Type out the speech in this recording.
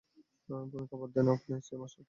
ভূমিকা বাদ দেন, আপনি স্থায়ী মাস্টার কখন নিয়োগ করছেন?